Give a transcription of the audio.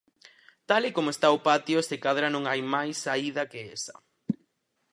Tal e como está o patio se cadra non hai máis saída que esa.